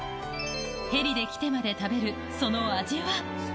ヘリで来てまで食べる、その味は？